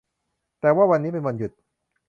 แต่ว่าวันนี้เป็นวันหยุด